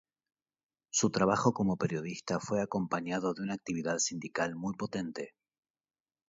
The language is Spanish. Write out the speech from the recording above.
Su trabajo como periodista fue acompañado de una actividad sindical muy potente.